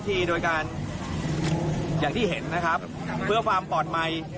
ตรงนี้มันมีลำพองลำหลอดเนี่ย